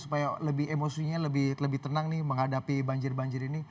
supaya lebih emosinya lebih tenang nih menghadapi banjir banjir ini